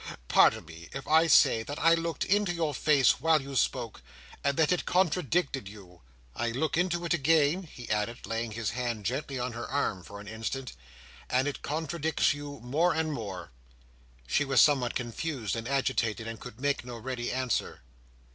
Pardon me if I say that I looked into your face while you spoke, and that it contradicted you. I look into it again," he added, laying his hand gently on her arm, for an instant, "and it contradicts you more and more." She was somewhat confused and agitated, and could make no ready answer.